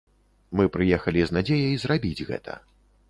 Мы прыехалі з надзеяй зрабіць гэта.